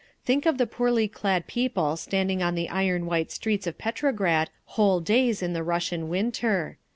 Think of the poorly clad people standing on the iron white streets of Petrograd whole days in the Russian winter!